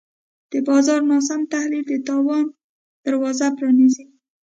د بازار ناسم تحلیل د تاوان دروازه پرانیزي.